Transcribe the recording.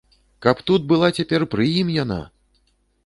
Каб тут была цяпер пры ім яна!